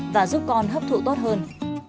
và giúp con hấp thụ tốt hơn